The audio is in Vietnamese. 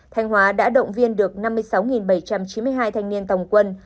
thanh hóa đã động viên được năm mươi sáu bảy trăm chín mươi hai thanh niên tòng quân